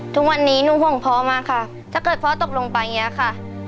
ทุกวันนี้หนูห่วงพ่อมากค่ะถ้าเกิดพ่อตกลงไปอย่างนี้ค่ะ